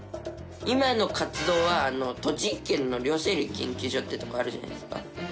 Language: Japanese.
今の活動は栃木県の両棲類研究所ってとこあるじゃないですか。